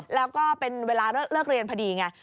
แล้วก็เป็นเวลาเลิกเรียนพอดีไง